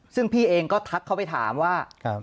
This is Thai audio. ซึ่งพี่เองก็ทักเขาไปถามว่า